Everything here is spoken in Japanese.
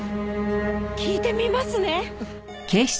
聞いてみますね。